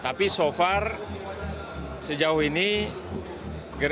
tapi so far sejauh ini kita masih mencari